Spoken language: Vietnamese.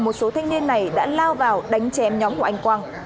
một số thanh niên này đã lao vào đánh chém nhóm của anh quang